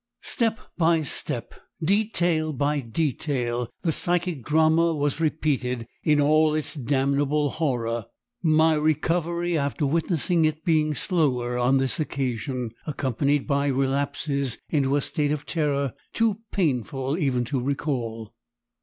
Step by step, detail by detail the psychic drama was repeated in all its damnable horror; my recovery after witnessing it being slower on this occasion, accompanied by relapses into a state of terror too painful even to recall.